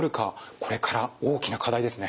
これから大きな課題ですね。